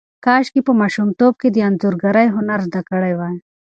کاشکې ما په ماشومتوب کې د انځورګرۍ هنر زده کړی وای.